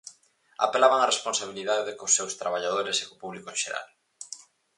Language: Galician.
Apelaban a responsabilidade cos seus traballadores e co público en xeral.